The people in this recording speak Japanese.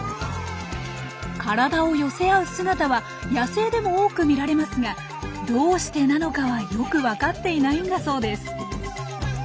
体を寄せ合う姿は野生でも多く見られますがどうしてなのかはよくわかっていないんだそうです。